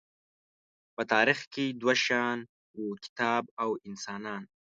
په تاریخ کې دوه شیان وو، کتاب او انسانان.